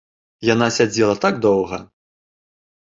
Яна сядзела так доўга.